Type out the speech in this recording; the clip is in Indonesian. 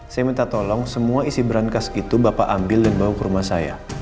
saya minta tolong semua isi berangkas itu bapak ambil dan bawa ke rumah saya